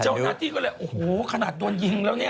เจ้าหน้าที่ก็เลยโอ้โหขนาดโดนยิงแล้วเนี่ย